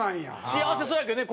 幸せそうやけどね